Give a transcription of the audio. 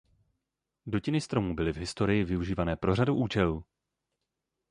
Dutiny stromů byly v historii využívané pro řadu účelů.